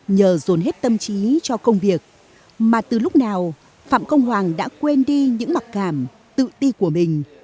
nhờ dồn hết tâm trí cho công việc mà từ lúc nào phạm công hoàng đã quên đi những mặc cảm tự ti của mình